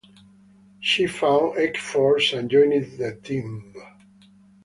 She found X-Force and joined the team.